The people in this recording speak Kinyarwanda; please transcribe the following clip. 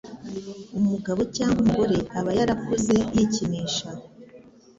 umugabo cyangwa umugore aba yarakuze yikinisha,